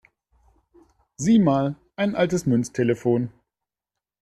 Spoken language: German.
Sieh mal, ein altes Münztelefon!